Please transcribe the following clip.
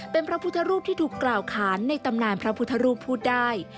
เป็นพระพุทธรูปที่ถูกกล่าวขานในตำนานพระพุทธรูปพูดได้